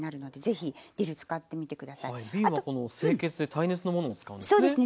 瓶は清潔で耐熱のものを使うんですね。